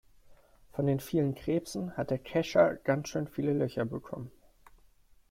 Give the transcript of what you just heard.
Von den vielen Krebsen hat der Kescher schon ganz viele Löcher bekommen.